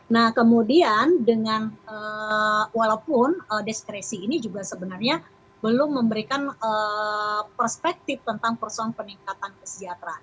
nah kemudian dengan walaupun deskresi ini juga sebenarnya belum memberikan perspektif tentang persoalan peningkatan kesejahteraan